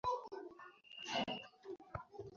আরে, কেদোঁ না।